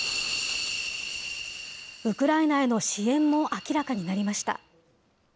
ウクライナへの支援も明らかになりました。